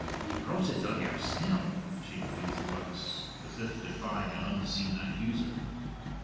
"Ye brought it on yoursell," she breathed once, as if defying an unseen accuser.